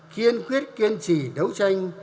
kiên quyết kiên trì đấu tranh